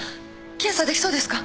検査できそうですか？